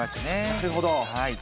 なるほど。